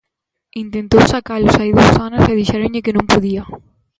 Intentou sacalos hai dous anos e dixéronlle que non podía.